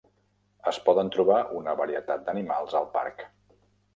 Es poden trobar una varietat d'animals al parc.